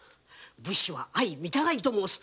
武士は相みたがいと申す。